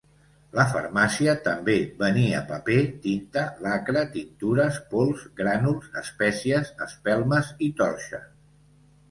La farmàcia també venia paper, tinta, lacre, tintures, pols, grànuls, espècies, espelmes i torxes.